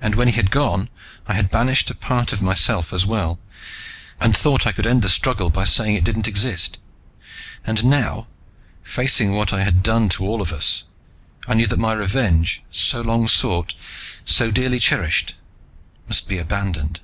And when he had gone, I had banished a part of myself as well, and thought I could end the struggle by saying it didn't exist. And now, facing what I had done to all of us, I knew that my revenge so long sought, so dearly cherished must be abandoned.